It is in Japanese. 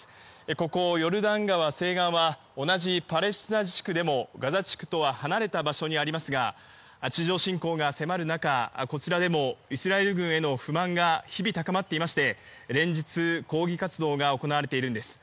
ここ、ヨルダン川西岸は同じパレスチナ自治区でもガザ地区とは離れた場所にありますが地上侵攻が迫る中こちらでもイスラエル軍への不満が日々高まっていまして連日、抗議活動が行われているんです。